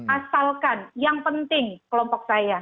asalkan yang penting kelompok saya